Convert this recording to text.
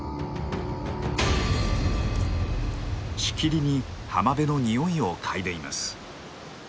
しきりに浜辺の匂いを嗅いでいます。